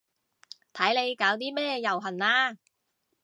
睇你搞啲咩遊行啦